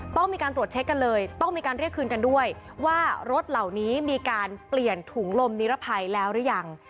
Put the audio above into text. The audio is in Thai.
ต้องมีการตรวจเช็คกันเลยต้องมีการเรียกคืนกันด้วยว่ารถเหล่านี้มีการเปลี่ยนถุงลมนิรภัยแล้วหรือยัง